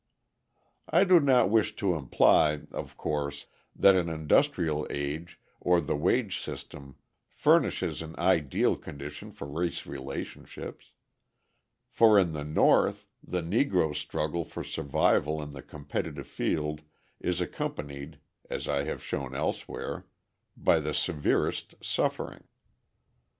I do not wish to imply, of course, that an industrial age or the wage system furnishes an ideal condition for race relationships; for in the North the Negro's struggle for survival in the competitive field is accompanied, as I have shown elsewhere, by the severest suffering.